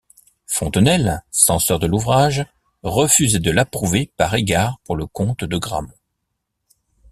Fontenelle, censeur de l'ouvrage, refusait de l'approuver par égard pour le comte de Gramont.